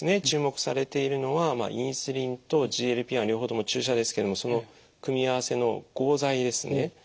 注目されているのはインスリンとＧＬＰ−１両方とも注射ですけどその組み合わせの合剤ですね。